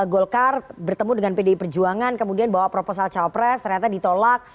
golkar bertemu dengan pdi perjuangan kemudian bawa proposal cawapres ternyata ditolak